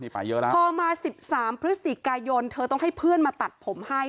พอมา๑๓พฤศติกายนเธอต้องให้เพื่อนมาตัดผมให้